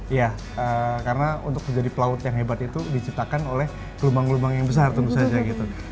iya karena untuk menjadi pelaut yang hebat itu diciptakan oleh gelombang gelombang yang besar tentu saja gitu